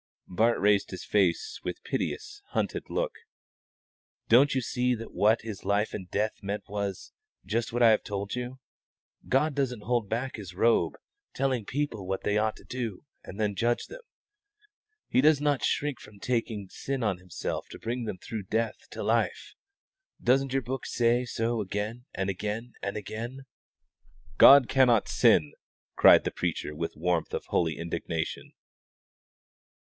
(Bart raised his face with piteous, hunted look) "don't you see that what His life and death meant was just what I have told you? God doesn't hold back His robe, telling people what they ought to do, and then judge them. He does not shrink from taking sin on Himself to bring them through death to life. Doesn't your book say so again and again and again?" "God cannot sin!" cried the preacher, with the warmth of holy indignation.